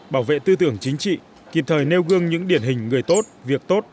bảo vệ tư tưởng chính trị kịp thời nêu gương những điển hình người tốt việc tốt